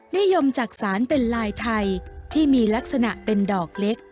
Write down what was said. นิยมจักษานเป็นลายไทยที่มีลักษณะเป็นดอกเล็ก